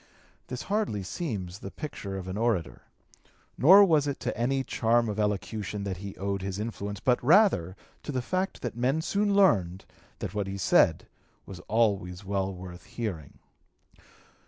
This hardly seems the picture of an orator; nor was it to any charm of elocution that he owed his influence, but rather to the fact that men soon learned that what he said was always well worth hearing.